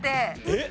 えっ？